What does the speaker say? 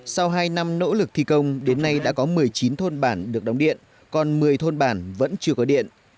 sau hai năm nỗ lực thi công đến nay đã có một mươi chín thôn bản được đóng điện còn một mươi thôn bản vẫn chưa có điện